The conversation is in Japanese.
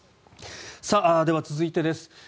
では、続いてです。